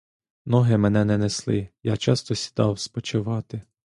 Ноги мене не несли, я часто сідав спочивати.